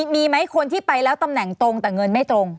มีไหมคนที่ไปแล้วตำแหน่งตรงแต่เงินไม่ตรง